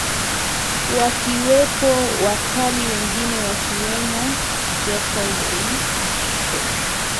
wakiwepo wakali wengine akiwemo jokovich